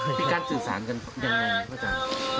มีการสื่อสารกันอย่างไรครับพระอาจารย์